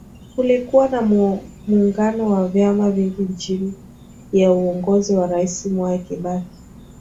Kulikuwa na muungano wa vyama vingi Chini ya uongozi wa Rais Mwai Kibaki